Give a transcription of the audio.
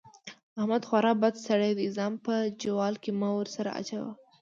احمد خورا بد سړی دی؛ ځان په جوال کې مه ور سره اچوه.